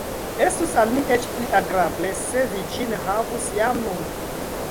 Estus al mi eĉ pli agrable, se vi ĝin havus jam nun.